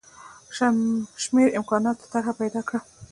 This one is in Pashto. شمېر امکاناتو طرح پیدا کړه.